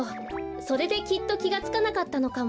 それできっときがつかなかったのかも。